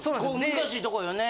難しいとこよね。